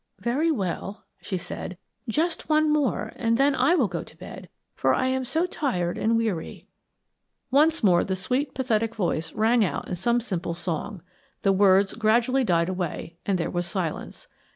"Very well," she said; "just one more, and then I will go to bed, for I am so tired and weary." Once more the sweet pathetic voice rang out in some simple song; the words gradually died away, and there was silence.